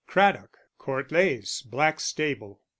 Craddock, Court Leys, Blackstable.